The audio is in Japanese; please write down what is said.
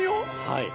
はい。